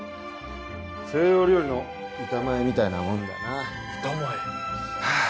西洋料理の板前みたいなもんだな板前はあ